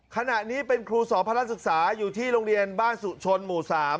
ขณะนี้เป็นครูสอบพระราชศึกษาอยู่ที่โรงเรียนบ้านสุชนหมู่๓